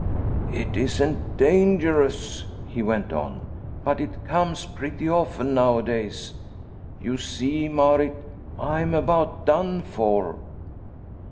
" It isn't dangerous," he went on ;" but it comes pretty often nowadays. You see, Marit, I am about done for."